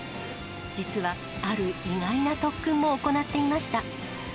実は、ある意外な特訓も行っていました。